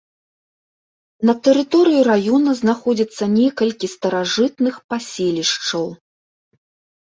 На тэрыторыі раёна знаходзіцца некалькі старажытных паселішчаў.